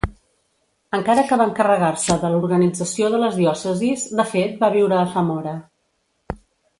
Encara que va encarregar-se de l'organització de les diòcesis, de fet va viure a Zamora.